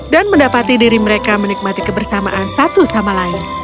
dan mendapati diri mereka menikmati kebersamaan satu sama lain